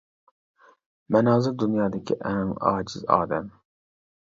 -مەن ھازىر دۇنيادىكى ئەڭ ئاجىز ئادەم.